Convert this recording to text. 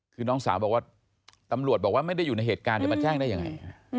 คือน้องสาวบอกว่าตำรวจบอกว่าไม่ได้อยู่ในเหตุการณ์จะมาแจ้งได้ยังไง